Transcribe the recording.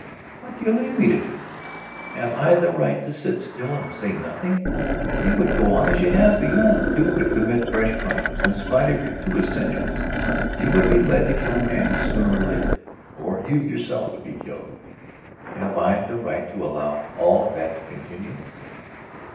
"What do you leave me to do? Have I the right to sit still and say nothing? You would go on as you have begun; you would commit fresh crimes. In spite of your 'two essentials' you would be led to kill a man sooner or later. Or you yourself would be killed. Have I the right to allow all of that to continue?"